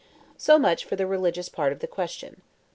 So much for the religious part of the question.